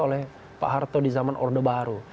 oleh pak harto di zaman orde baru